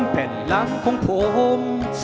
แผ่นหลังของผม